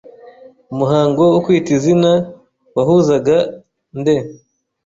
Umuhango wo kwita izina wahuzaga a nde